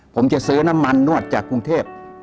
ผมจะซื้อน้ำมันนวดจากกรุงเทพ